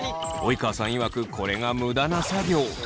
及川さんいわくこれがムダな作業。